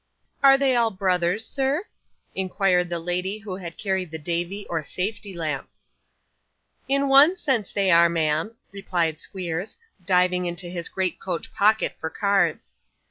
'Are they all brothers, sir?' inquired the lady who had carried the 'Davy' or safety lamp. 'In one sense they are, ma'am,' replied Squeers, diving into his greatcoat pocket for cards.